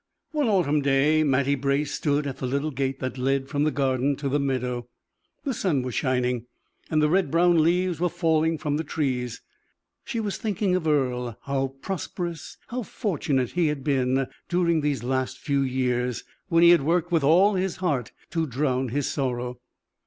One autumn day Mattie Brace stood at the little gate that led from the garden to the meadow. The sun was shining, and the red brown leaves were falling from the trees. She was thinking of Earle; how prosperous, how fortunate he had been during these last few years, when he had worked with all his heart to drown his sorrow.